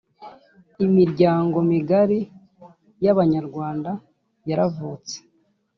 Imiryango migari y’Abanyarwanda yaravutse